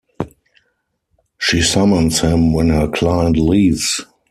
She summons him when her client leaves.